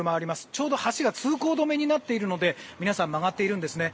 ちょうど橋が通行止めになっているので皆さん、曲がっているんですね。